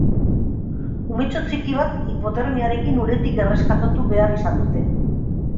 Umetxo txiki bat hipotermiarekin uretik erreskatatu behar izan dute.